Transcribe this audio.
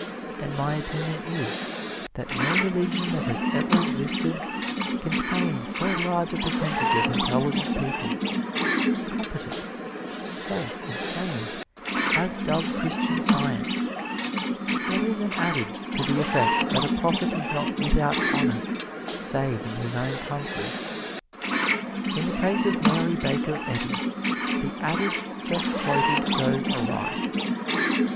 And my opinion is, that no religion that has ever existed contained so large a percentage of intelligent people, competent, safe and sane, as does Christian Science. There is an adage to the effect that a prophet is not without honor save in his own country. In the case of Mary Baker Eddy, the adage just quoted goes awry. Mrs.